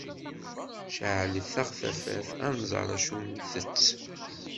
Ceɛlet-aɣ tafat, ad nẓer acu ntett.